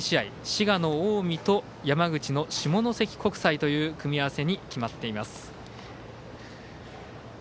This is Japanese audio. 滋賀の近江と山口の下関国際という組み合わせに決まっています。